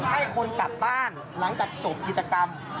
ให้คนกลับบ้านหลังจากจบกิจกรรม